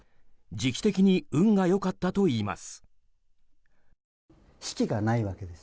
時期的に運が良かったといいます。